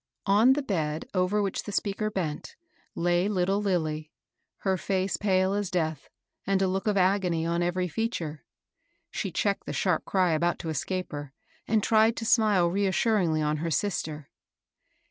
On the bed over which the speaker bent lay little Lilly, her face pale as death, and a look of agony on every feature. She checked the sharp cfy about to escape her, and tried to smile reas suringly on her sister.